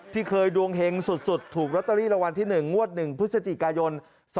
ที่เคยดวงเห็งสุดถูกร็อเตอรี่รวรรณที่๑งวด๑พฤศจิกายน